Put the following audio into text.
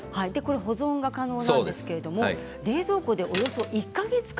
保存が可能なんですけれども冷蔵庫でおよそ１か月間。